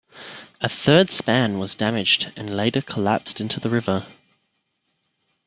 A third span was damaged and later collapsed into the river.